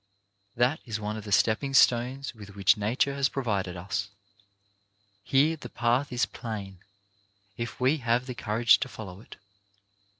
That is one of the stepping stones with which nature has provided us. Here the path is plain, if we have the courage to follow it.